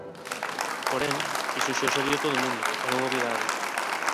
Porén, iso xa o sabía todo o mundo, era unha obviedade.